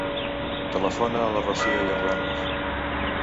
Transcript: Telefona a la Rocío Yordanov.